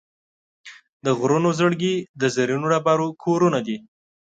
د غرونو زړګي د زرینو ډبرو کورونه دي.